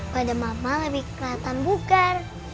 bagi mama lebih keliatan bugar